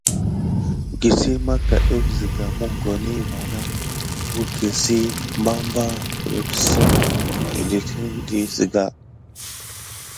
Kisin magra def siga mokoni vana wukisie barbar kedonsok detine di sika.